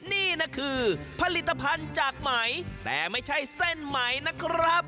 นี่นะคือผลิตภัณฑ์จากไหมแต่ไม่ใช่เส้นไหมนะครับ